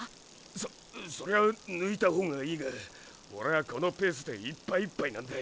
そそりゃ抜いた方がいいがオレはこのペースでいっぱいいっぱいなんだ。